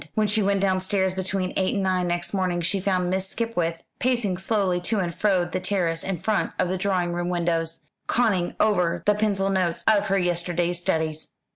When she went downstairs between eight and nine next morning she found Miss Skipwith pacing slowly to and fro the terrace in front of the drawing room windows, conning over the pencil notes of her yesterday's studies.